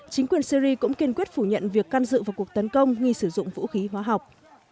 chính quyền syri cũng kiên quyết phủ nhận việc can dự vào cuộc tấn công nghi sử dụng vũ khí hóa học